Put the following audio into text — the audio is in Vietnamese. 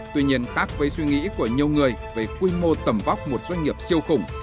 tuy nhiên khác với suy nghĩ của nhiều người về quy mô tầm vóc một doanh nghiệp siêu khủng